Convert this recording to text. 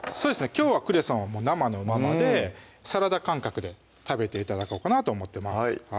きょうはクレソンは生のままでサラダ感覚で食べて頂こうかなと思ってます